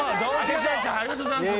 ありがとうございます！